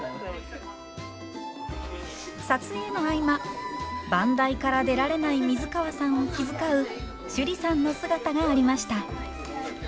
撮影の合間番台から出られない水川さんを気遣う趣里さんの姿がありました。